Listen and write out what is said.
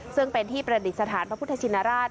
ซึ่งเป็นที่ประดิษฐานพระพุทธชินราช